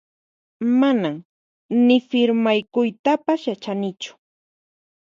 Manan ni firmaykuytapas yachanichu